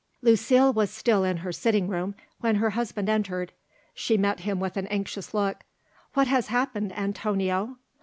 Lucile was still in her sitting room when her husband entered. She met him with an anxious look. "What has happened, Antonio?"